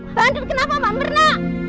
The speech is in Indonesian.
mbak andien kenapa mbak mirna